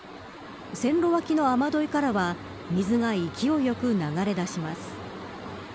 線路脇の雨どいからは水が勢いよく流れ出します。